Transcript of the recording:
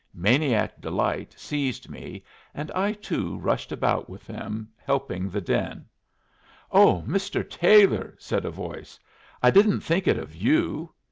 Maniac delight seized me, and I, too, rushed about with them, helping the din. "Oh, Mr. Taylor!" said a voice. "I didn't think it of you."